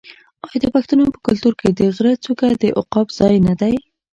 آیا د پښتنو په کلتور کې د غره څوکه د عقاب ځای نه دی؟